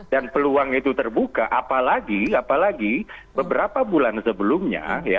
dan peluang itu terbuka apalagi beberapa bulan sebelumnya